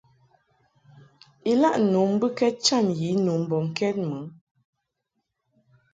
Ilaʼ nu mbɨkɛd cham yi nu mbɔŋkɛd mɨ.